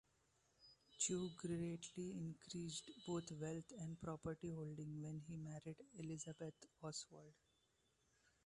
Chew greatly increased both wealth and property holdings when he married Elizabeth Oswald.